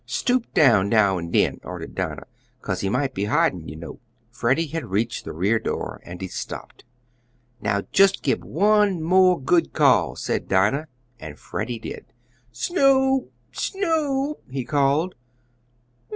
"Stoop down now and den," ordered Dinah, "cause he might be hiding, you know." Freddie had reached the rear door and he stopped. "Now jist gib one more good call" said Dinah, and Freddie did. "Snoop! Snoop!" he called.